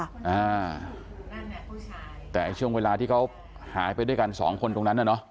อ่าแต่ไอ้ช่วงเวลาที่เขาหายไปด้วยกันสองคนตรงนั้นน่ะเนอะ